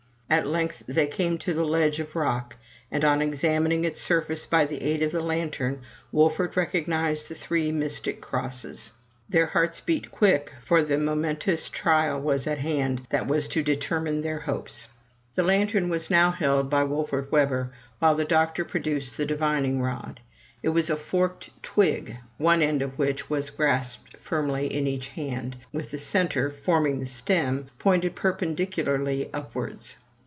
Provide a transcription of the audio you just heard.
At length they came to the ledge of rock; and on examining its surface by the aid of the lantern, Wolfert recognized the three mystic crosses. Their hearts beat quick, for the momentous trial was at hand that was to determine their hopes. 142 FROM THE TOWER WINDOW The lantern was now held by Wolfert Webber, while the doctor produced the divining rod. It was a forked twig, one end of which was grasped firmly in each hand, while the centre, forming the stem, pointed perpendicularly upwards.